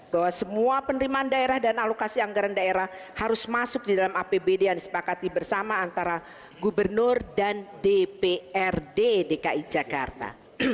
bahwa semua penerimaan daerah dan alokasi anggaran daerah harus masuk di dalam apbd yang disepakati bersama antara gubernur dan dprd dki jakarta